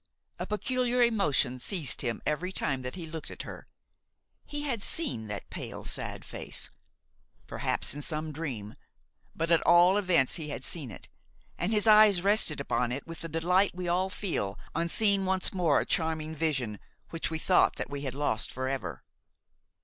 A peculiar emotion seized him every time that he looked at her; he had seen that pale, sad face; perhaps in some dream, but at all events he had seen it, and his eyes rested upon it with the delight we all feel on seeing once more a charming vision which we thought that we had lost forever.